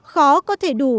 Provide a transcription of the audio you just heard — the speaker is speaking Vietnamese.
khó có thể đủ